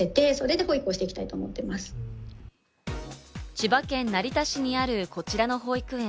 千葉県成田市にあるこちらの保育園。